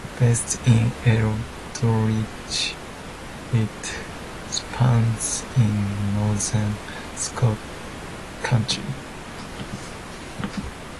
Based in Eldridge, it spans in northern Scott County.